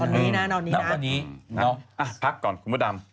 ตอนนี้นะนอนนี้นะอ่ะพักก่อนคุณพระดำ